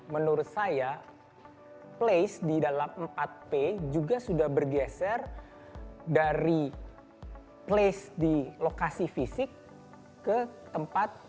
menurut saya place di dalam empat p juga sudah bergeser dari place di lokasi fisik ke tempat